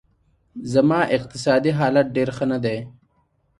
زما اقتصادي حالت ډېر ښه نه دی